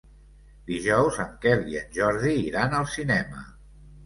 Dijous en Quel i en Jordi iran al cinema.